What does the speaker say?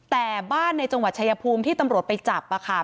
แต่บ้านในจังหวัดชายภูมิที่ตำรวจไปจับค่ะ